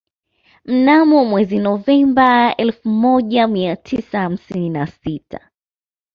Mnamo mwezi Novemba elfu moja mia tisa hamsini na sita